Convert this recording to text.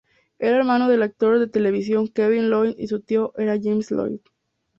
Era hermano del actor de televisión, Kevin Lloyd y su tío era James Lloyd.